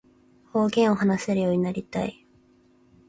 方言を話せるようになりたい